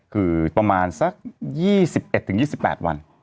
คือประมาณสัก๒๑๒๘วัน